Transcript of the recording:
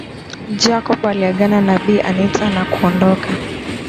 Jacob aliagana na Bi Anita na kuondoka